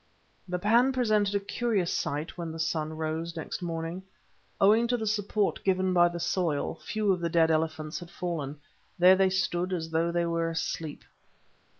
The pan presented a curious sight when the sun rose next morning. Owing to the support given by the soil, few of the dead elephants had fallen: there they stood as though they were asleep.